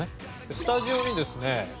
スタジオにですね